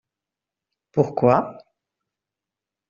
Pourquoi ?